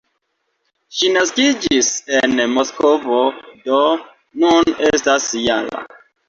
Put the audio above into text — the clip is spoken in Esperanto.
Ŝi naskiĝis en Moskvo, do nun estas -jara.